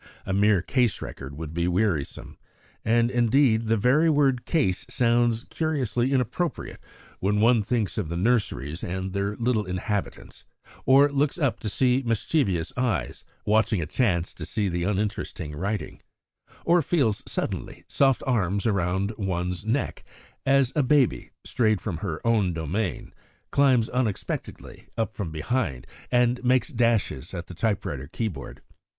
A mere case record would be wearisome; and indeed the very word "case" sounds curiously inappropriate when one thinks of the nurseries and their little inhabitants; or looks up to see mischievous eyes watching a chance to stop the uninteresting writing; or feels, suddenly, soft arms round one's neck, as a baby, strayed from her own domain, climbs unexpectedly up from behind and makes dashes at the typewriter keyboard.